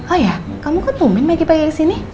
oh ya kamu kan tuming lagi lagi kesini